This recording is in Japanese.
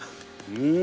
うん！